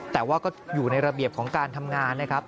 แต่ว่าก็อยู่ในระเบียบของการทำงานนะครับ